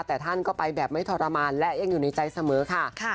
แต่ท่านก็ไปแบบไม่ทรมานและยังอยู่ในใจเสมอค่ะ